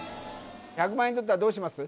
１００万円とったらどうします？